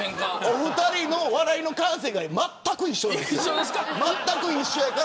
お二人の笑いの感性がまったく一緒なんです。